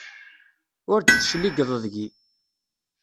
Ur d-tecligeḍ deg-i.